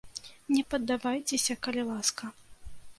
Не паддавайцеся, калі ласка.